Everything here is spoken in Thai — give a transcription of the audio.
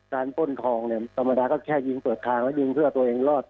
ป้นทองเนี่ยธรรมดาก็แค่ยิงเปิดทางแล้วยิงเพื่อตัวเองรอด